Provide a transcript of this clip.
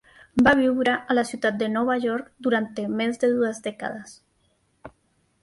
Va viure a la ciutat de Nova York durant més de dues dècades.